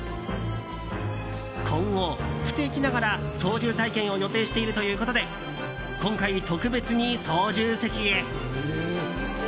今後、不定期ながら操縦体験を予定しているとのことで今回、特別に操縦席へ。